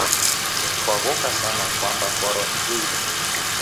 Kwaghoka sana kwamba kwarwa ijo irinda